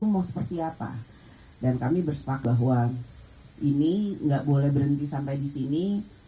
mau seperti apa dan kami bersepakat bahwa ini gak boleh berhenti sampai disini